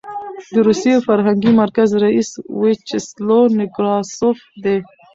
د روسي فرهنګي مرکز رییس ویچسلو نکراسوف دی.